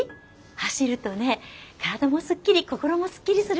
走るとね体もすっきり心もすっきりするわよ。